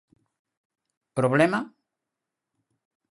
Problema?